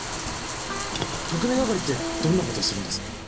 特命係ってどんな事するんです？